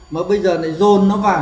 mà bây giờ lại dồn nó vào